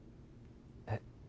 えっ？